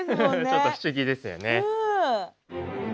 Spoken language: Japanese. ちょっと不思議ですよね。